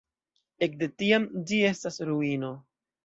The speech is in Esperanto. Ekde tiam ĝi estas ruino.